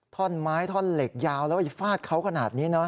ท่อนไม้ท่อนเหล็กยาวแล้วไปฟาดเขาขนาดนี้เนอะ